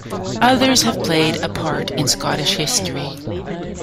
Others have played a part in Scottish history.